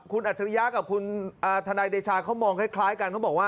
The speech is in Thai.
คุณอัชริยาคือถนัยด่ชาเขามองคล้ายกัน